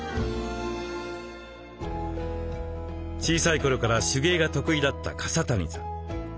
小さい頃から手芸が得意だった笠谷さん。